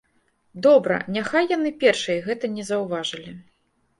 Добра, няхай яны першай гэтай не заўважылі.